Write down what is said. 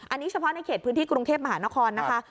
อันนี้เฉพาะในเขตพื้นที่กรุงเทพมหานครนะคะ